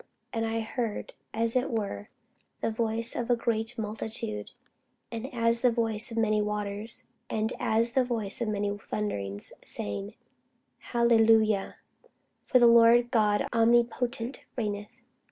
And I heard as it were the voice of a great multitude, and as the voice of many waters, and as the voice of mighty thunderings, saying, Alleluia: for the Lord God omnipotent reigneth.